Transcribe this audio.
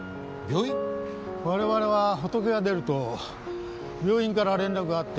我々は仏が出ると病院から連絡があって出掛けます。